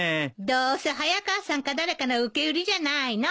どうせ早川さんか誰かの受け売りじゃないの。